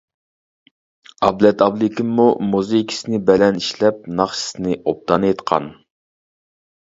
ئابلەت ئابلىكىممۇ مۇزىكىسىنى بەلەن ئىشلەپ ناخشىسىنى ئوبدان ئېيتقان.